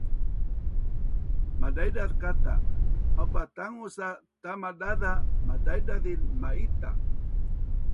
Madaidaz kata, aupa tangus a Tamadaza madaidazin ma-ita